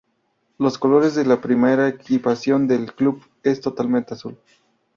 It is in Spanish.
Los colores de la primera equipación del club es totalmente azul.